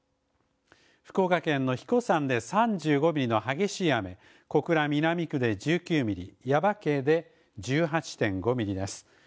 福岡県の英彦山で３５ミリの激しい雨、小倉南区で１９ミリ、耶馬溪で１８．５ミリです。